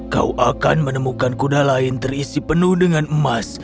kau akan menemukan kuda lain terisi penuh dengan emas